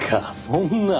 そんな。